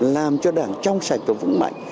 làm cho đảng trong sạch và vững mạnh